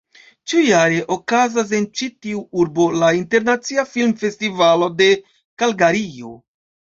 Ĉiujare okazas en ĉi tiu urbo la Internacia Film-Festivalo de Kalgario.